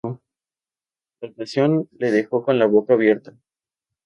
La actuación le dejó con la boca abierta